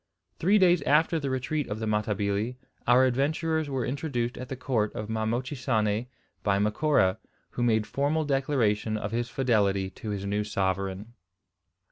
Three days after the retreat of the Matabili our adventurers were introduced at the court of Ma Mochisane by Macora, who made formal declaration of his fidelity to his new sovereign.